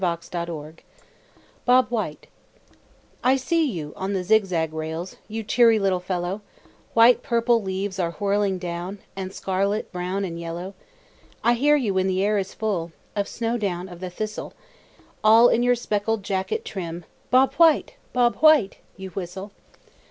(Adapted) "BOB WHITE" I see you, on the zigzag rails, You cheery little fellow! While purple leaves are whirling down, And scarlet, brown, and yellow. I hear you when the air is full Of snow down of the thistle; All in your speckled jacket trim, "Bob White! Bob White!" you whistle.